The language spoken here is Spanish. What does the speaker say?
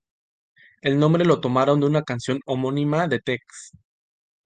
El nombre lo tomaron de una canción homónima de Tex.